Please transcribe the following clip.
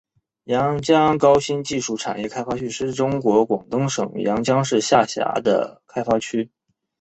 阳江高新技术产业开发区是中国广东省阳江市下辖的开发区。